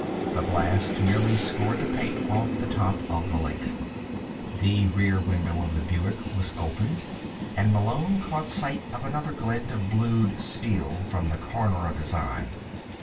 The blast merely scored the paint off the top of the Lincoln. The rear window of the Buick was open, and Malone caught sight of another glint of blued steel from the corner of his eye.